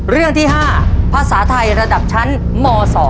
เรื่องที่๕ภาษาไทยระดับชั้นม๒